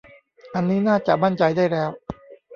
อันนี้น่าจะมั่นใจได้แล้ว